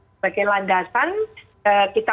sebagai landasan kita